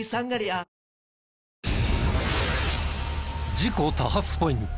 事故多発ポイント